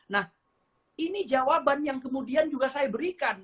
nah ini jawaban yang kemudian juga saya berikan